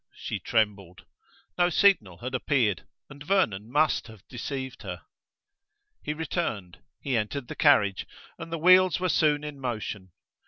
She trembled: no signal had appeared, and Vernon must have deceived her. He returned; he entered the carriage, and the wheels were soon in motion.